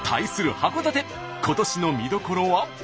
函館今年の見どころは。